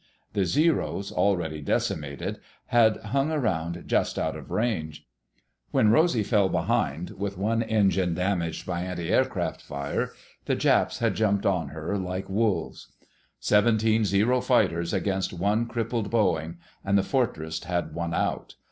The Zeros, already decimated, had hung around just out of range. When Rosy fell behind, with one engine damaged by antiaircraft fire, the Japs had jumped on her like wolves. Seventeen Zero fighters against one crippled Boeing—and the Fortress had won out!